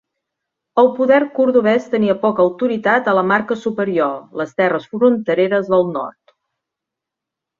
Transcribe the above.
El poder cordovès tenia poca autoritat a la Marca Superior, les terres frontereres del nord.